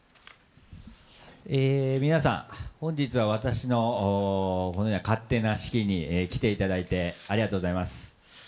皆さん、本日は私のこのような勝手な式に来ていただいてありがとうございます。